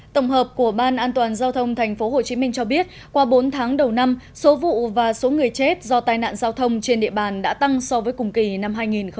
tổng hợp của ban an toàn giao thông tp hcm cho biết qua bốn tháng đầu năm số vụ và số người chết do tai nạn giao thông trên địa bàn đã tăng so với cùng kỳ năm hai nghìn một mươi chín